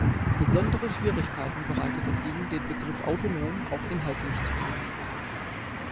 Besondere Schwierigkeiten bereitet es ihnen, den Begriff autonom auch inhaltlich zu füllen.